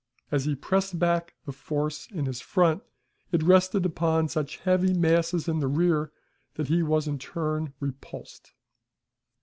As he pressed back the force in his front, it rested upon such heavy masses in the rear, that he was in turn repulsed.